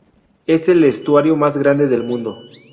Es el estuario más grande del mundo.